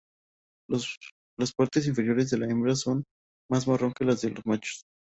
Las partes inferiores de la hembra son más marrón que las de los machos.